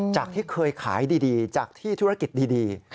จากที่เคยขายดีจากที่ธุรกิจดี